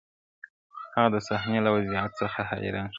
هغه د صحنې له وضعيت څخه حيران ښکاري,